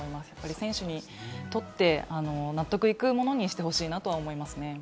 選手にとって、納得いくものにしてほしいなとは思いますね。